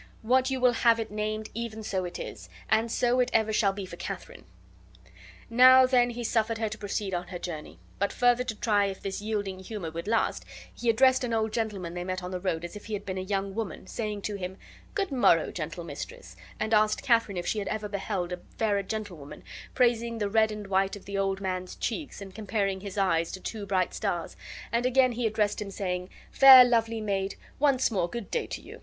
What you will have it named, even so it is, and so it ever shall be for Katharine." Now then he suffered her to proceed on her journey; but further to try if this yielding humor would last, he addressed an old gentleman they met on the road as if he had been a young woman, saying to him, "Good morrow, gentle mistress"; and asked Katharine if she had ever beheld a fairer gentlewoman, praising the red and white of the old man's cheeks, and comparing his eyes to two bright stars; and again he addressed him, saying, "Fair, lovely maid, once more good day to you!"